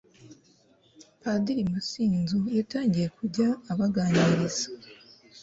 padiri masinzo yatangiye kujya abaganiriza